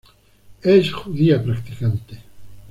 Es judía practicante.